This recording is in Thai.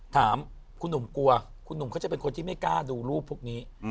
ถามคุณหนุ่มกลัวคุณหนุ่มเขาจะเป็นคนที่ไม่กล้าดูรูปพวกนี้